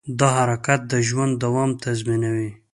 دا حرکت د ژوند دوام تضمینوي.